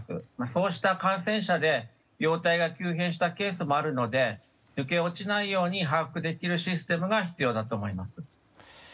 そうした感染者で容体が急変したケースもあるので抜け落ちないように把握できるシステムが必要だと思います。